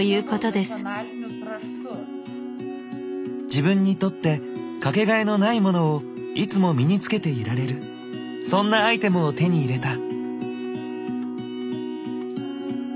自分にとってかけがえのないものをいつも身に着けていられるそんなアイテムを手に入れた。